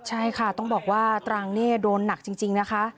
ใช่ค่ะต้องบอกว่าตรังนี่โดนหนักจริงนะคะ